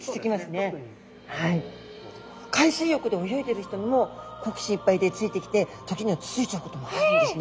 海水浴で泳いでる人にも好奇心いっぱいでついてきて時にはつついちゃうこともあるんですね。